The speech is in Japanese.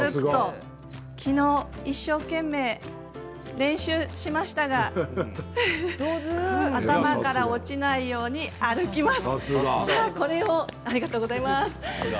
きのう一生懸命練習しましたが頭から落ちないように歩きます。